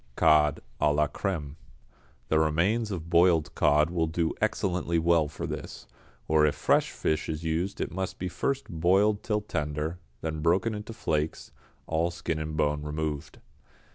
=Cod, à la Crème.= The remains of boiled cod will do excellently well for this, or if fresh fish is used it must be first boiled till tender, then broken into flakes, all skin and bone removed.